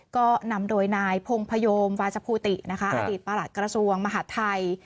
ก็นำโดยนายพงพยมวาชภูตินะคะอดีตประหลัดกระทรวงมหาดไทย